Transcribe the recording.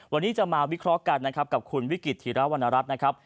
วันนี้จะมาวิเคราะห์กันกับวิกิจธิระวันรับ